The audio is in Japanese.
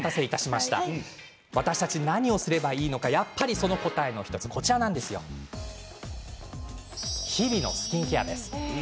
私たちはでは何をすればいいのかその答えの１つが日々のスキンケアです。